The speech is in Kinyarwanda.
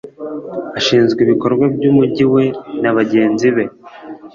ashinzwe ibikorwa by Umujyi we nabagenzi be